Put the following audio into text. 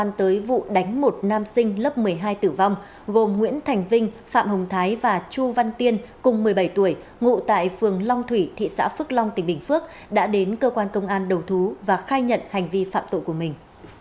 tới vụ đánh một nam sinh lớp một mươi hai tử vong gồm nguyễn thành vinh phạm hồng thái và chu văn tiên cùng một mươi bảy tuổi ngụ tại phường long thủy thị xã phước long tỉnh bình phước đã đến cơ quan công an đầu thú và khai nhận hành vi phạm tội của mình